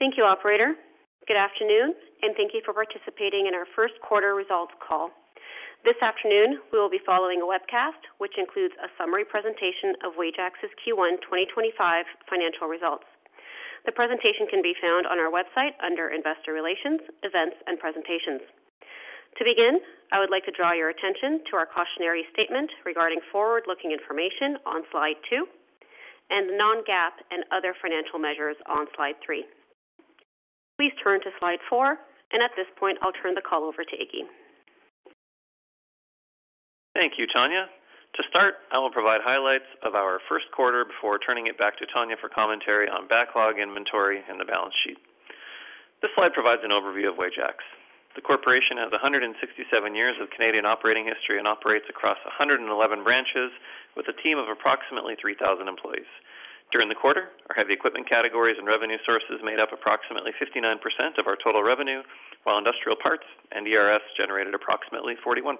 Thank you, Operator. Good afternoon, and thank you for participating in our first quarter results call. This afternoon, we will be following a webcast, which includes a summary presentation of Wajax's Q1 2025 financial results. The presentation can be found on our website under Investor Relations, Events and Presentations. To begin, I would like to draw your attention to our cautionary statement regarding forward-looking information on slide two, and the non-GAAP and other financial measures on slide three. Please turn to slide four, and at this point, I'll turn the call over to Iggy. Thank you, Tania. To start, I will provide highlights of our first quarter before turning it back to Tania for commentary on backlog, inventory, and the balance sheet. This slide provides an overview of Wajax. The corporation has 167 years of Canadian operating history and operates across 111 branches with a team of approximately 3,000 employees. During the quarter, our heavy equipment categories and revenue sources made up approximately 59% of our total revenue, while industrial parts and ERS generated approximately 41%.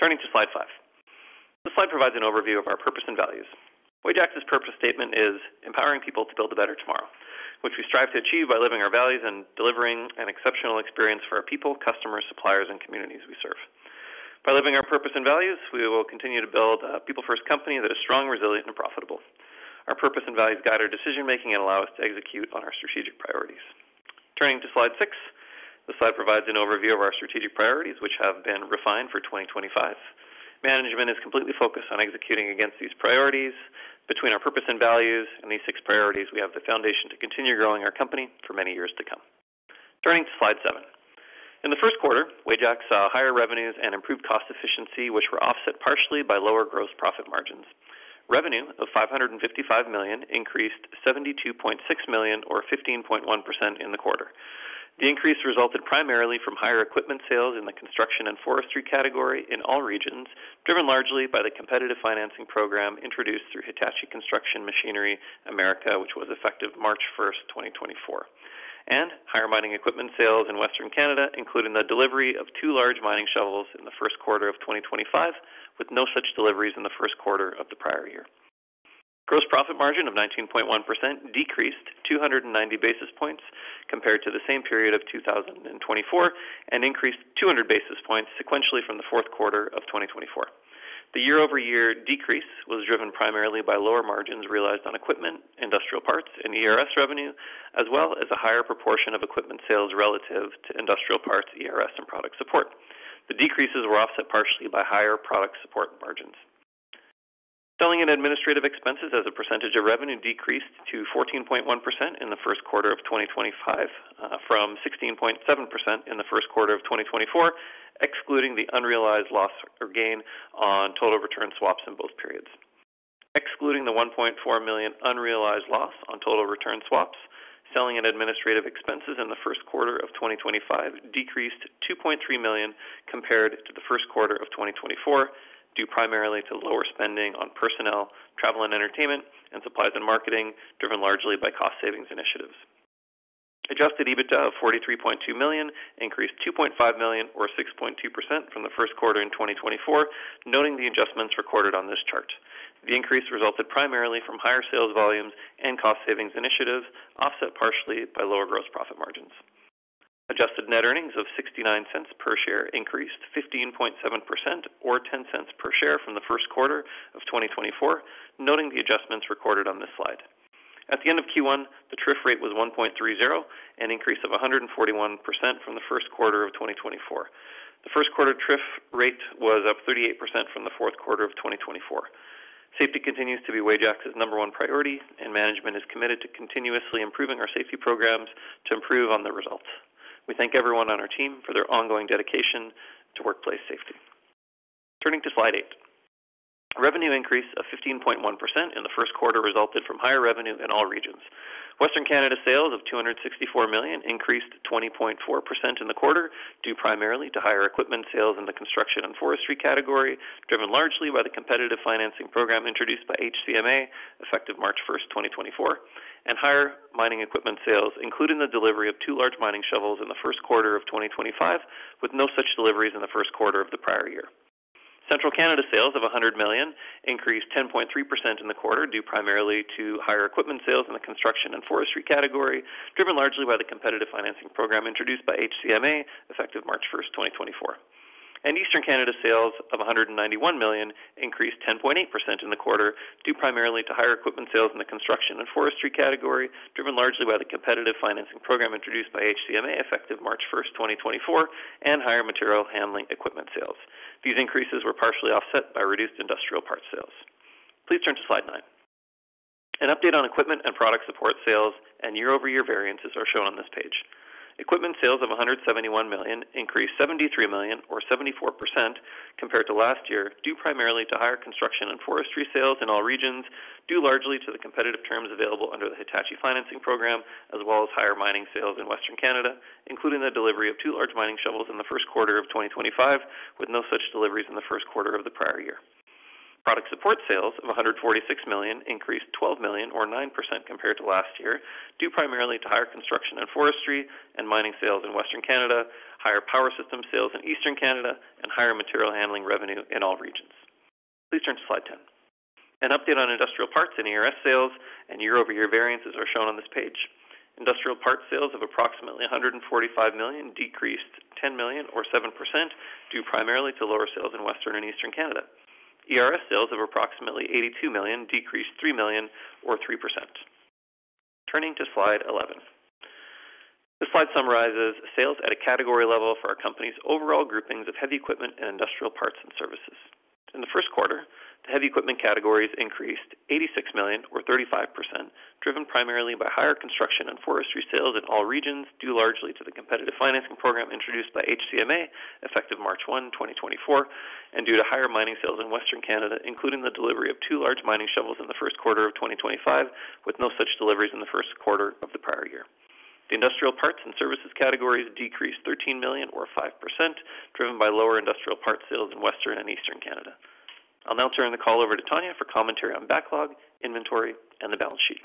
Turning to slide five, this slide provides an overview of our purpose and values. Wajax's purpose statement is "Empowering people to build a better tomorrow," which we strive to achieve by living our values and delivering an exceptional experience for our people, customers, suppliers, and communities we serve. By living our purpose and values, we will continue to build a people-first company that is strong, resilient, and profitable. Our purpose and values guide our decision-making and allow us to execute on our strategic priorities. Turning to slide six, this slide provides an overview of our strategic priorities, which have been refined for 2025. Management is completely focused on executing against these priorities. Between our purpose and values and these six priorities, we have the foundation to continue growing our company for many years to come. Turning to slide seven, in the first quarter, Wajax saw higher revenues and improved cost efficiency, which were offset partially by lower gross profit margins. Revenue of 555 million increased 72.6 million, or 15.1%, in the quarter. The increase resulted primarily from higher equipment sales in the construction and forestry category in all regions, driven largely by the competitive financing program introduced through Hitachi Construction Machinery America, which was effective March 1st, 2024, and higher mining equipment sales in Western Canada, including the delivery of two large mining shovels in the first quarter of 2025, with no such deliveries in the first quarter of the prior year. Gross profit margin of 19.1% decreased 290 basis points compared to the same period of 2024 and increased 200 basis points sequentially from the fourth quarter of 2024. The year-over-year decrease was driven primarily by lower margins realized on equipment, industrial parts, and ERS revenue, as well as a higher proportion of equipment sales relative to industrial parts, ERS, and product support. The decreases were offset partially by higher product support margins. Selling and administrative expenses as a percentage of revenue decreased to 14.1% in the first quarter of 2025 from 16.7% in the first quarter of 2024, excluding the unrealized loss or gain on total return swaps in both periods. Excluding the 1.4 million unrealized loss on total return swaps, selling and administrative expenses in the first quarter of 2025 decreased 2.3 million compared to the first quarter of 2024, due primarily to lower spending on personnel, travel, and entertainment, and supplies and marketing, driven largely by cost savings initiatives. Adjusted EBITDA of 43.2 million increased 2.5 million, or 6.2%, from the first quarter in 2024, noting the adjustments recorded on this chart. The increase resulted primarily from higher sales volumes and cost savings initiatives, offset partially by lower gross profit margins. Adjusted net earnings of 0.69 per share increased 15.7%, or 0.10 per share from the first quarter of 2024, noting the adjustments recorded on this slide. At the end of Q1, the TRIF rate was 1.30, an increase of 141% from the first quarter of 2024. The first quarter TRIF rate was up 38% from the fourth quarter of 2024. Safety continues to be Wajax's number one priority, and management is committed to continuously improving our safety programs to improve on the results. We thank everyone on our team for their ongoing dedication to workplace safety. Turning to slide eight, revenue increased 15.1% in the first quarter resulted from higher revenue in all regions. Western Canada sales of 264 million increased 20.4% in the quarter, due primarily to higher equipment sales in the construction and forestry category, driven largely by the competitive financing program introduced by HCMA, effective March 1st, 2024, and higher mining equipment sales, including the delivery of two large mining shovels in the first quarter of 2025, with no such deliveries in the first quarter of the prior year. Central Canada sales of 100 million increased 10.3% in the quarter, due primarily to higher equipment sales in the construction and forestry category, driven largely by the competitive financing program introduced by HCMA, effective March 1st, 2024. Eastern Canada sales of 191 million increased 10.8% in the quarter, due primarily to higher equipment sales in the construction and forestry category, driven largely by the competitive financing program introduced by HCMA, effective March 1st, 2024, and higher material handling equipment sales. These increases were partially offset by reduced industrial parts sales. Please turn to slide nine. An update on equipment and product support sales and year-over-year variances are shown on this page. Equipment sales of 171 million increased 73 million, or 74%, compared to last year, due primarily to higher construction and forestry sales in all regions, due largely to the competitive terms available under the Hitachi Financing Program, as well as higher mining sales in Western Canada, including the delivery of two large mining shovels in the first quarter of 2025, with no such deliveries in the first quarter of the prior year. Product support sales of 146 million increased 12 million, or 9%, compared to last year, due primarily to higher construction and forestry and mining sales in Western Canada, higher power system sales in Eastern Canada, and higher material handling revenue in all regions. Please turn to slide 10. An update on industrial parts and ERS sales and year-over-year variances are shown on this page. Industrial parts sales of approximately 145 million decreased 10 million, or 7%, due primarily to lower sales in Western and Eastern Canada. ERS sales of approximately 82 million decreased 3 million, or 3%. Turning to slide 11, this slide summarizes sales at a category level for our company's overall groupings of heavy equipment and industrial parts and services. In the first quarter, the heavy equipment categories increased 86 million, or 35%, driven primarily by higher construction and forestry equipment sales in all regions, due largely to the competitive financing program introduced by HCMA, effective March 1, 2024, and due to higher mining equipment sales in Western Canada, including the delivery of two large mining shovels in the first quarter of 2025, with no such deliveries in the first quarter of the prior year. The industrial parts and services categories decreased 13 million, or 5%, driven by lower industrial parts sales in Western and Eastern Canada. I'll now turn the call over to Tania for commentary on backlog, inventory, and the balance sheet.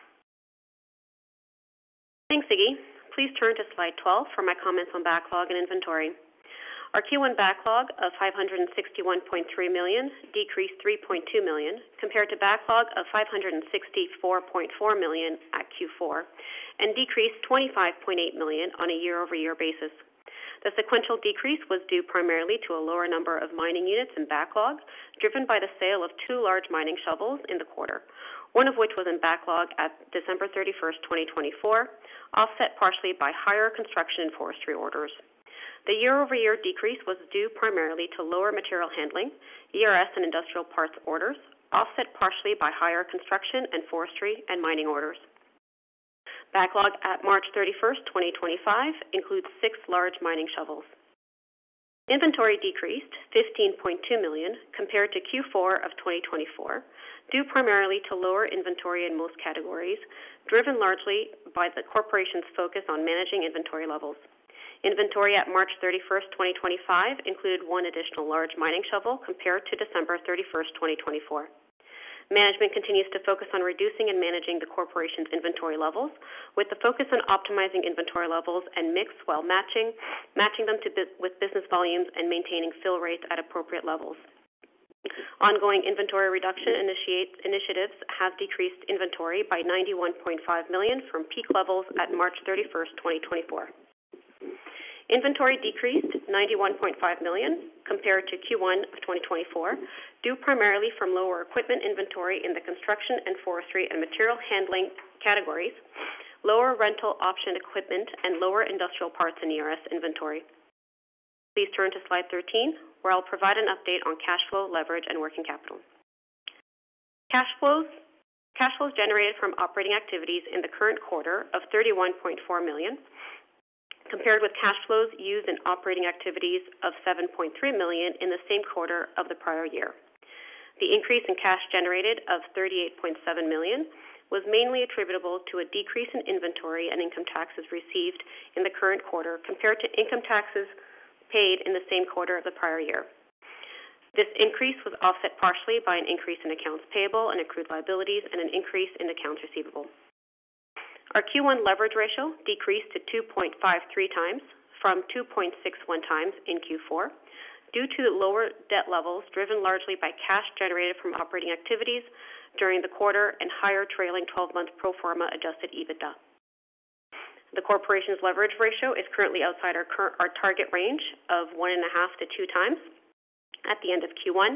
Thanks, Iggy. Please turn to slide 12 for my comments on backlog and inventory. Our Q1 backlog of 561.3 million decreased 3.2 million compared to backlog of 564.4 million at Q4, and decreased 25.8 million on a year-over-year basis. The sequential decrease was due primarily to a lower number of mining units in backlog, driven by the sale of two large mining shovels in the quarter, one of which was in backlog at December 31st, 2024, offset partially by higher construction and forestry orders. The year-over-year decrease was due primarily to lower material handling, ERS and industrial parts orders, offset partially by higher construction and forestry and mining orders. Backlog at March 31st, 2025, includes six large mining shovels. Inventory decreased 15.2 million compared to Q4 of 2024, due primarily to lower inventory in most categories, driven largely by the corporation's focus on managing inventory levels. Inventory at March 31st, 2025, included one additional large mining shovel compared to December 31st, 2024. Management continues to focus on reducing and managing the corporation's inventory levels, with the focus on optimizing inventory levels and mix while matching them with business volumes and maintaining fill rates at appropriate levels. Ongoing inventory reduction initiatives have decreased inventory by 91.5 million from peak levels at March 31st, 2024. Inventory decreased 91.5 million compared to Q1 of 2024, due primarily from lower equipment inventory in the construction and forestry and material handling categories, lower rental option equipment, and lower industrial parts and ERS inventory. Please turn to slide 13, where I'll provide an update on cash flow, leverage, and working capital. Cash flows generated from operating activities in the current quarter of 31.4 million compared with cash flows used in operating activities of 7.3 million in the same quarter of the prior year. The increase in cash generated of 38.7 million was mainly attributable to a decrease in inventory and income taxes received in the current quarter compared to income taxes paid in the same quarter of the prior year. This increase was offset partially by an increase in accounts payable and accrued liabilities and an increase in accounts receivable. Our Q1 leverage ratio decreased to 2.53x from 2.61x in Q4, due to lower debt levels driven largely by cash generated from operating activities during the quarter and higher trailing 12-month pro forma adjusted EBITDA. The corporation's leverage ratio is currently outside our target range of 1.5x-2xat the end of Q1,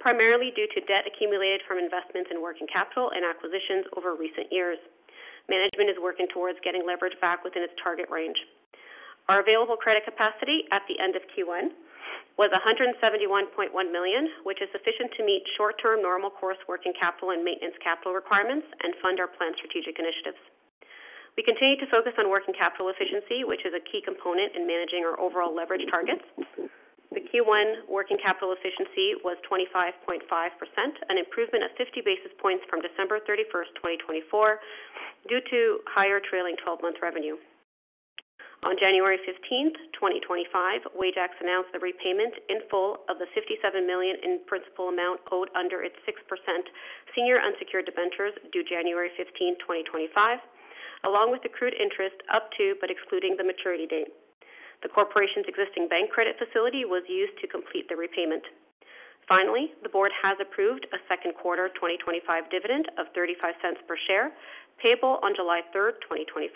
primarily due to debt accumulated from investments in working capital and acquisitions over recent years. Management is working towards getting leverage back within its target range. Our available credit capacity at the end of Q1 was 171.1 million, which is sufficient to meet short-term normal course working capital and maintenance capital requirements and fund our planned strategic initiatives. We continue to focus on working capital efficiency, which is a key component in managing our overall leverage targets. The Q1 working capital efficiency was 25.5%, an improvement of 50 basis points from December 31st, 2024, due to higher trailing 12-month revenue. On January 15th, 2025, Wajax announced the repayment in full of the 57 million in principal amount owed under its 6% senior unsecured debentures due January 15th, 2025, along with accrued interest up to but excluding the maturity date. The corporation's existing bank credit facility was used to complete the repayment. Finally, the board has approved a second quarter 2025 dividend of 0.35 per share payable on July 3rd, 2025,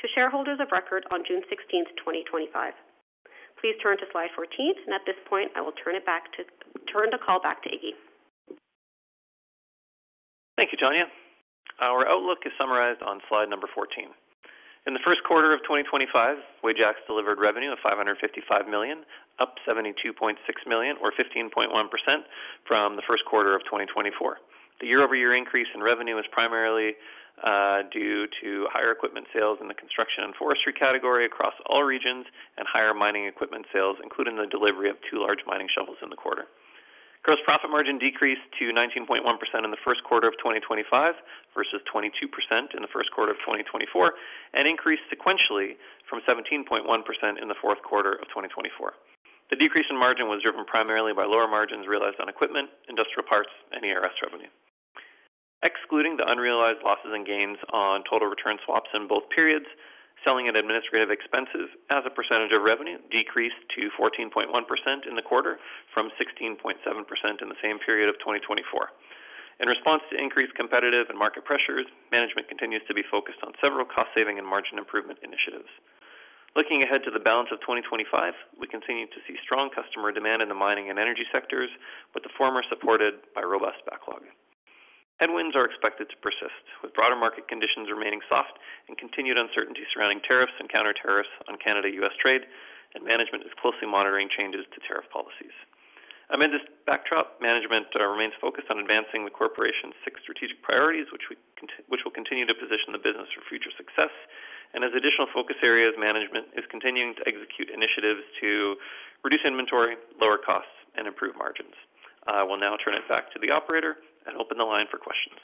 to shareholders of record on June 16th, 2025. Please turn to slide 14, and at this point, I will turn the call back to Iggy. Thank you, Tania. Our outlook is summarized on slide 14. In the first quarter of 2025, Wajax delivered revenue of 555 million, up 72.6 million, or 15.1%, from the first quarter of 2024. The year-over-year increase in revenue is primarily due to higher equipment sales in the construction and forestry category across all regions and higher mining equipment sales, including the delivery of two large mining shovels in the quarter. Gross profit margin decreased to 19.1% in the first quarter of 2025 versus 22% in the first quarter of 2024, and increased sequentially from 17.1% in the fourth quarter of 2024. The decrease in margin was driven primarily by lower margins realized on equipment, industrial parts, and ERS revenue. Excluding the unrealized losses and gains on total return swaps in both periods, selling and administrative expenses as a percentage of revenue decreased to 14.1% in the quarter from 16.7% in the same period of 2024. In response to increased competitive and market pressures, management continues to be focused on several cost saving and margin improvement initiatives. Looking ahead to the balance of 2025, we continue to see strong customer demand in the mining and energy sectors, with the former supported by robust backlog. Headwinds are expected to persist, with broader market conditions remaining soft and continued uncertainty surrounding tariffs and countertariffs on Canada-U.S. trade, and management is closely monitoring changes to tariff policies. Amid this backdrop, management remains focused on advancing the corporation's six strategic priorities, which will continue to position the business for future success, and has additional focus areas. Management is continuing to execute initiatives to reduce inventory, lower costs, and improve margins. I will now turn it back to the operator and open the line for questions.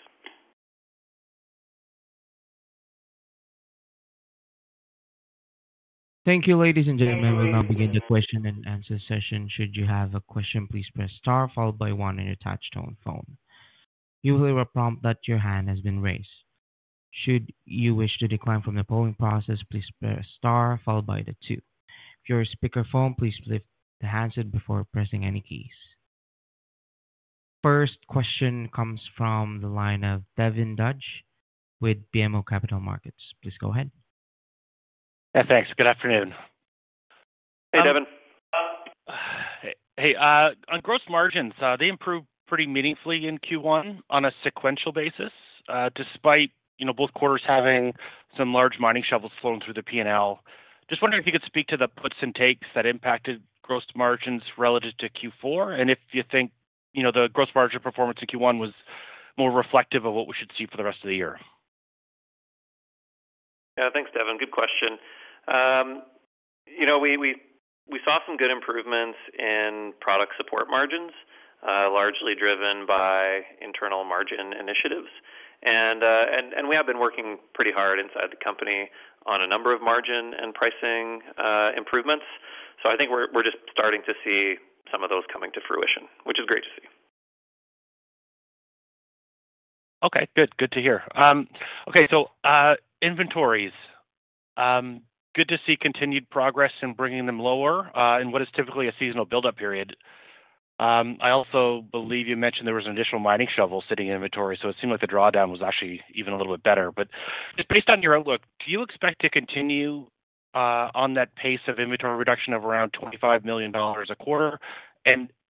Thank you, ladies and gentlemen. We'll now begin the question and answer session. Should you have a question, please press star followed by one on your touch-tone phone. You will hear a prompt that your hand has been raised. Should you wish to decline from the polling process, please press star followed by two. If you're on a speakerphone, please lift the handset before pressing any keys. First question comes from the line of Devin Dodge with BMO Capital Markets. Please go ahead. Yeah, thanks. Good afternoon. Hey, Devin. Hey. On gross margins, they improved pretty meaningfully in Q1 on a sequential basis, despite both quarters having some large mining shovels flowing through the P&L. Just wondering if you could speak to the puts and takes that impacted gross margins relative to Q4, and if you think the gross margin performance in Q1 was more reflective of what we should see for the rest of the year? Yeah, thanks, Devin. Good question. We saw some good improvements in product support margins, largely driven by internal margin initiatives. We have been working pretty hard inside the company on a number of margin and pricing improvements. I think we're just starting to see some of those coming to fruition, which is great to see. Okay. Good. Good to hear. Okay. So inventories, good to see continued progress in bringing them lower in what is typically a seasonal build-up period. I also believe you mentioned there was an additional mining shovel sitting in inventory, so it seemed like the drawdown was actually even a little bit better. Just based on your outlook, do you expect to continue on that pace of inventory reduction of around 25 million dollars a quarter?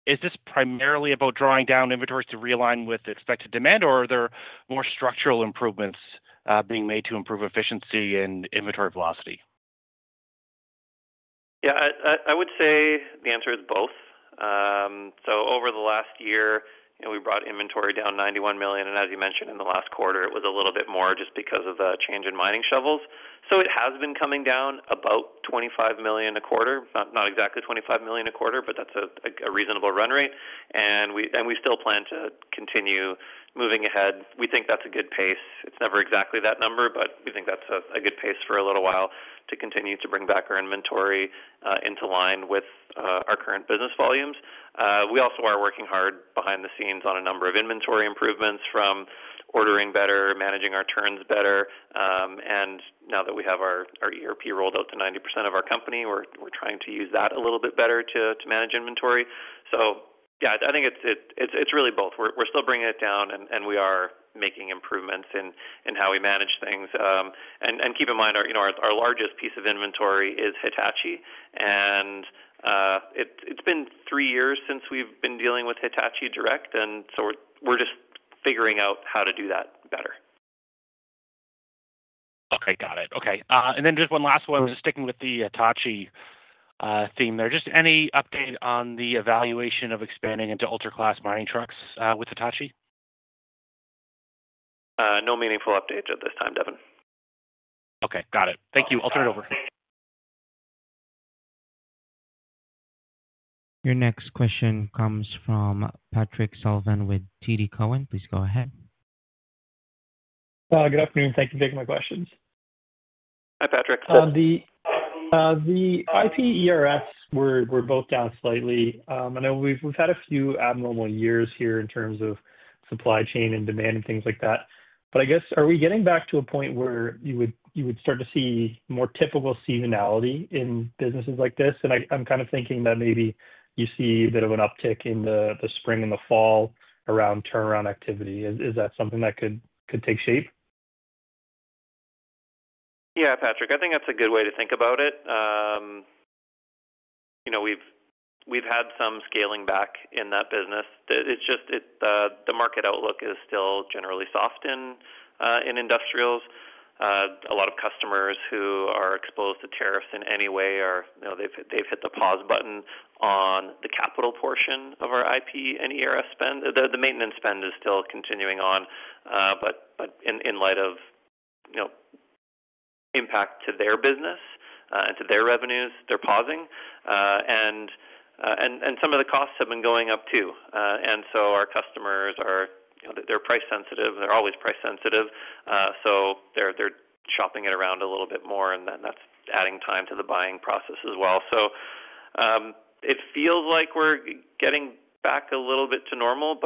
Is this primarily about drawing down inventories to realign with expected demand, or are there more structural improvements being made to improve efficiency and inventory velocity? Yeah. I would say the answer is both. Over the last year, we brought inventory down 91 million. As you mentioned, in the last quarter, it was a little bit more just because of the change in mining shovels. It has been coming down about 25 million a quarter, not exactly 25 million a quarter, but that is a reasonable run rate. We still plan to continue moving ahead. We think that is a good pace. It is never exactly that number, but we think that is a good pace for a little while to continue to bring back our inventory into line with our current business volumes. We also are working hard behind the scenes on a number of inventory improvements from ordering better, managing our turns better. Now that we have our ERP rolled out to 90% of our company, we're trying to use that a little bit better to manage inventory. Yeah, I think it's really both. We're still bringing it down, and we are making improvements in how we manage things. Keep in mind, our largest piece of inventory is Hitachi. It's been three years since we've been dealing with Hitachi direct, and we're just figuring out how to do that better. Okay. Got it. Okay. Just one last one, just sticking with the Hitachi theme there. Just any update on the evaluation of expanding into ultra-class mining trucks with Hitachi? No meaningful updates at this time, Devin. Okay. Got it. Thank you. I'll turn it over. Your next question comes from Patrick Sullivan with TD Cowen. Please go ahead. Good afternoon. Thank you for taking my questions. Hi, Patrick. The IP ERS were both down slightly. I know we have had a few abnormal years here in terms of supply chain and demand and things like that. I guess, are we getting back to a point where you would start to see more typical seasonality in businesses like this? I am kind of thinking that maybe you see a bit of an uptick in the spring and the fall around turnaround activity. Is that something that could take shape? Yeah, Patrick. I think that's a good way to think about it. We've had some scaling back in that business. It's just the market outlook is still generally soft in industrials. A lot of customers who are exposed to tariffs in any way, they've hit the pause button on the capital portion of our IP and ERS spend. The maintenance spend is still continuing on, but in light of impact to their business and to their revenues, they're pausing. Some of the costs have been going up too. Our customers, they're price sensitive. They're always price sensitive. They're shopping it around a little bit more, and that's adding time to the buying process as well. It feels like we're getting back a little bit to normal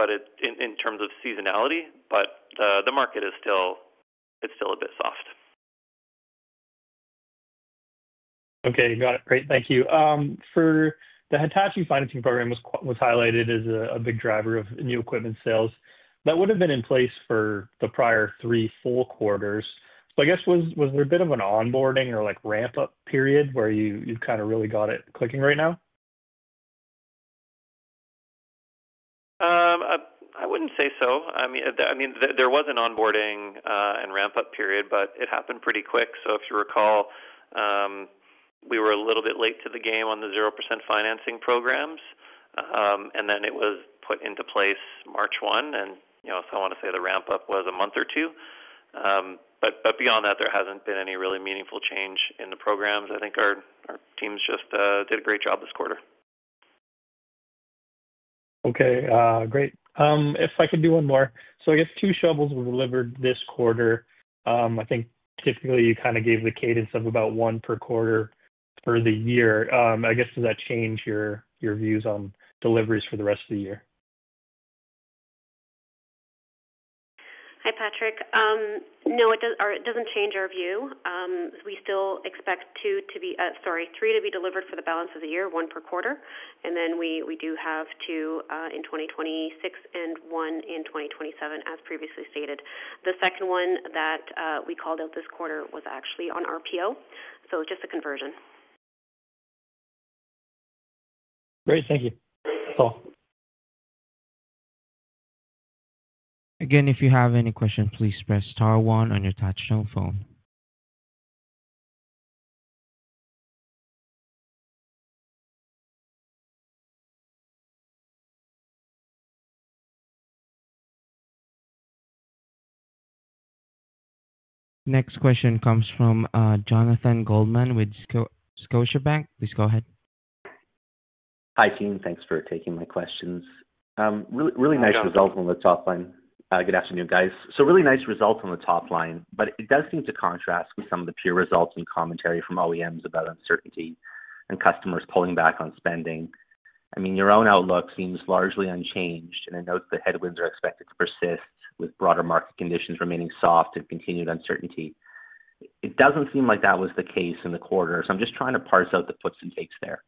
in terms of seasonality, but the market is still a bit soft. Okay. Got it. Great. Thank you. The Hitachi financing program was highlighted as a big driver of new equipment sales. That would have been in place for the prior three full quarters. I guess, was there a bit of an onboarding or ramp-up period where you've kind of really got it clicking right now? I wouldn't say so. I mean, there was an onboarding and ramp-up period, but it happened pretty quick. If you recall, we were a little bit late to the game on the 0% financing programs, and then it was put into place March 1. I want to say the ramp-up was a month or two. Beyond that, there hasn't been any really meaningful change in the programs. I think our teams just did a great job this quarter. Okay. Great. If I could do one more. I guess two shovels were delivered this quarter. I think typically you kind of gave the cadence of about one per quarter for the year. I guess, does that change your views on deliveries for the rest of the year? Hi, Patrick. No, it does not change our view. We still expect three to be delivered for the balance of the year, one per quarter. We do have two in 2026 and one in 2027, as previously stated. The second one that we called out this quarter was actually on RPO. It is just a conversion. Great. Thank you. That's all. Again, if you have any questions, please press star one on your touch-tone phone. Next question comes from Jonathan Goldman with Scotiabank. Please go ahead. Hi, team. Thanks for taking my questions. Really nice results on the top line. Good afternoon, guys. Really nice results on the top line, but it does seem to contrast with some of the peer results and commentary from OEMs about uncertainty and customers pulling back on spending. I mean, your own outlook seems largely unchanged, and I note the headwinds are expected to persist with broader market conditions remaining soft and continued uncertainty. It does not seem like that was the case in the quarters. I am just trying to parse out the puts and takes there.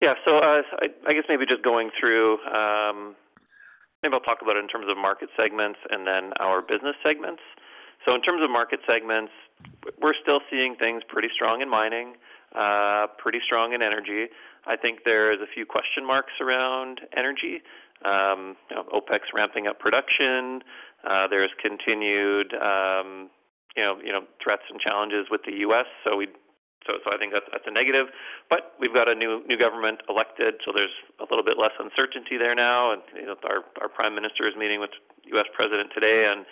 Yeah. I guess maybe just going through, maybe I'll talk about it in terms of market segments and then our business segments. In terms of market segments, we're still seeing things pretty strong in mining, pretty strong in energy. I think there's a few question marks around energy, OpEx ramping up production. There's continued threats and challenges with the U.S. I think that's a negative. We've got a new government elected, so there's a little bit less uncertainty there now. Our Prime Minister is meeting with the U.S. President today, and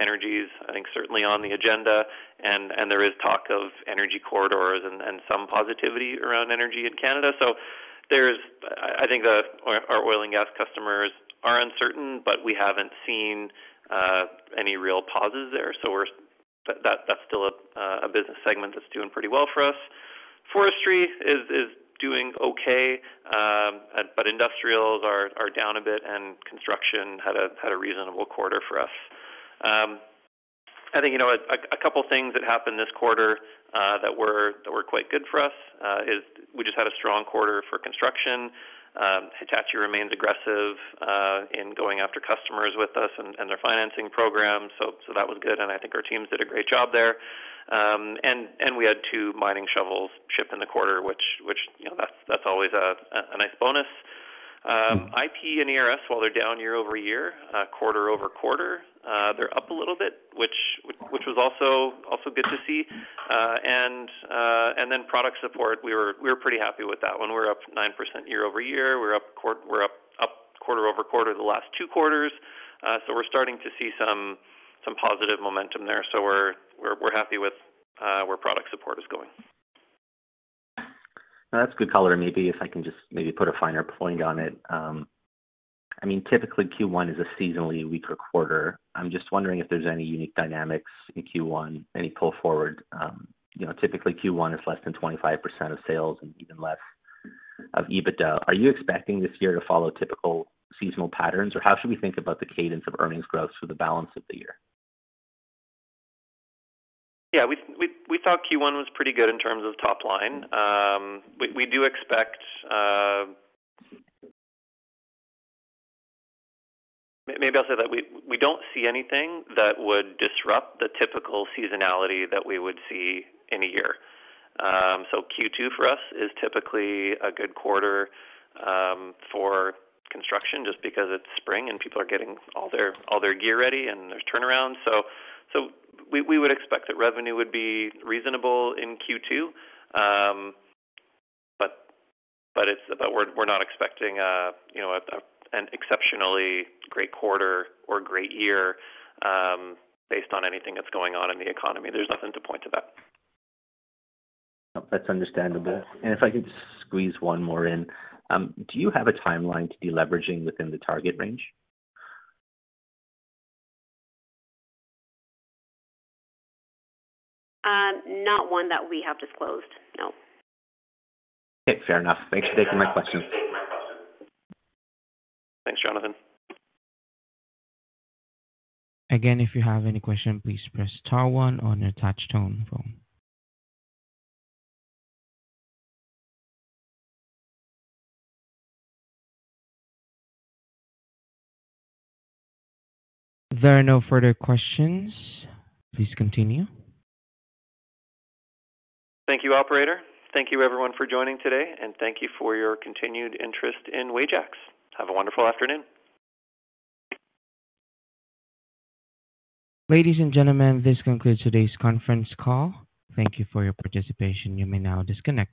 energy is, I think, certainly on the agenda. There is talk of energy corridors and some positivity around energy in Canada. I think our oil and gas customers are uncertain, but we haven't seen any real pauses there. That's still a business segment that's doing pretty well for us. Forestry is doing okay, but industrials are down a bit, and construction had a reasonable quarter for us. I think a couple of things that happened this quarter that were quite good for us is we just had a strong quarter for construction. Hitachi remains aggressive in going after customers with us and their financing program. That was good, and I think our teams did a great job there. We had two mining shovels shipped in the quarter, which is always a nice bonus. IP and ERS, while they are down year-over-year, quarter-over-quarter, they are up a little bit, which was also good to see. Product support, we were pretty happy with that one. We are up 9% year-over-year. We are up quarter-over-quarter the last two quarters. We are starting to see some positive momentum there. We're happy with where product support is going. That's good color. Maybe if I can just maybe put a finer point on it. I mean, typically, Q1 is a seasonally weaker quarter. I'm just wondering if there's any unique dynamics in Q1, any pull forward. Typically, Q1 is less than 25% of sales and even less of EBITDA. Are you expecting this year to follow typical seasonal patterns, or how should we think about the cadence of earnings growth for the balance of the year? Yeah. We thought Q1 was pretty good in terms of top line. We do expect, maybe I'll say that we don't see anything that would disrupt the typical seasonality that we would see in a year. Q2 for us is typically a good quarter for construction just because it's spring and people are getting all their gear ready and their turnaround. We would expect that revenue would be reasonable in Q2. We're not expecting an exceptionally great quarter or great year based on anything that's going on in the economy. There's nothing to point to that. That's understandable. If I could just squeeze one more in, do you have a timeline to be leveraging within the target range? Not one that we have disclosed. No. Okay. Fair enough. Thanks for taking my questions. Thanks, Jonathan. Again, if you have any questions, please press star one on your touch-tone phone. There are no further questions. Please continue. Thank you, operator. Thank you, everyone, for joining today, and thank you for your continued interest in Wajax. Have a wonderful afternoon. Ladies and gentlemen, this concludes today's conference call. Thank you for your participation. You may now disconnect.